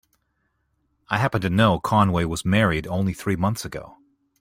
I happen to know Conway was married only three months ago.